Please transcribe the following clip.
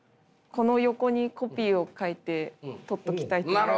この横にコピーを書いて取っときたいと思います。